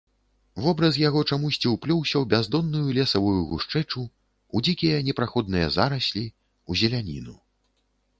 Вобраз яго чамусьці ўплёўся ў бяздонную лесавую гушчэчу, у дзікія непраходныя зараслі, у зеляніну.